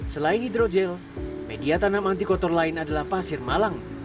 selain hidrogel media tanam antikotor lain adalah pasir malang